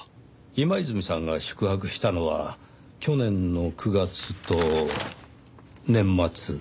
今泉さんが宿泊したのは去年の９月と年末。